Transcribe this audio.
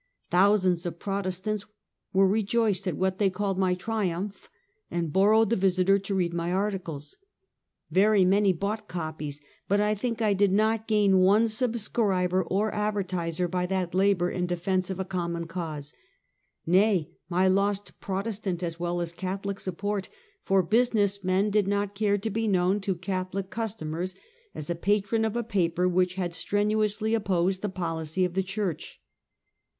Thousands of Protest ants were rejoiced at what they called my triumph, and borrowed the Visiter to read my articles. Yery many bought copies, but I think I did not gain one subscriber or advertiser by that labor in defense of a common cause. Nay, I lost Protestant as well as Cath olic support, for business men did not care to be known to Catholic customers as a patron of a paper which had strenuously opposed the policy of the church.